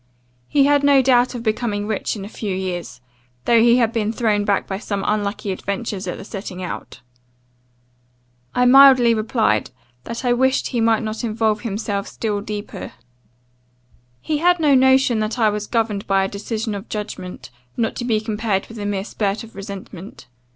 He had no doubt of becoming rich in a few years, though he had been thrown back by some unlucky adventures at the setting out.' "I mildly replied, 'That I wished he might not involve himself still deeper.' "He had no notion that I was governed by a decision of judgment, not to be compared with a mere spurt of resentment.